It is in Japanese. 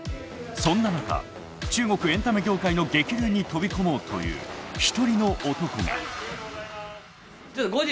そんな中中国エンタメ業界の激流に飛び込もうという一人の男が。